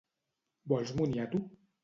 Vols moniato?